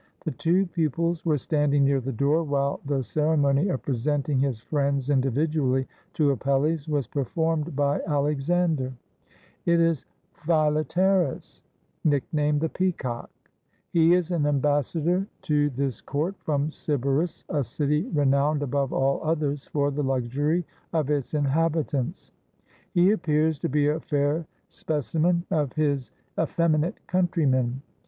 The two pupils were standing near the door, while the ceremony of presenting his friends individually to Apelles was performed by Alexander. "It is Philetaerus, nicknamed 'The Peacock.' He is an ambassador to this court from Sybaris, a city re nowned above all others for the luxury of its inhabitants. He appears to be a fair specimen of his effeminate coun trymen.